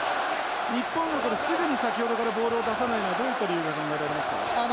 日本はこれすぐに先ほどからボールを出さないのはどういった理由が考えられますか？